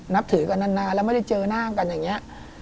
นับถือกันนานแล้วไม่ได้เจอหน้ากันอย่างนี้